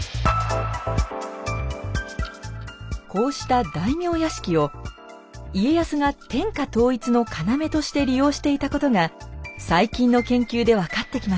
こうした大名屋敷を家康が天下統一の要として利用していたことが最近の研究で分かってきました。